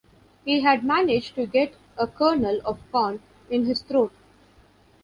He had managed to get a kernel of corn in his throat.